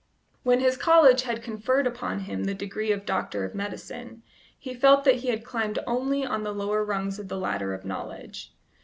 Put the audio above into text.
When his college had conferred upon him the degree of doctor of medicine, he felt that he had climbed only on the lower rungs of the ladder of knowledge.